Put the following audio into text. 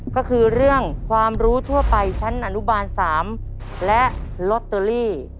ก็คือเรื่องความรู้ทั่วไปชั้นอนุบาล๓และลอตเตอรี่